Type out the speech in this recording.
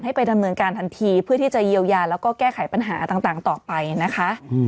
ไปดำเนินการทันทีเพื่อที่จะเยียวยาแล้วก็แก้ไขปัญหาต่างต่อไปนะคะ